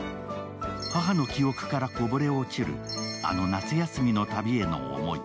母の記憶からこぼれ落ちるあの夏休みの旅への思い。